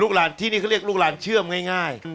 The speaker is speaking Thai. ที่นี่เขาเรียกลูกหลานเชื่อมง่าย